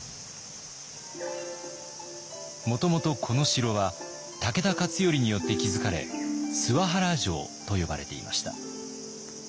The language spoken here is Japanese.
もともとこの城は武田勝頼によって築かれ諏訪原城と呼ばれていました。